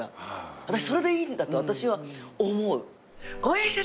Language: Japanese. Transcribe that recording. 私それでいいんだと私は思う。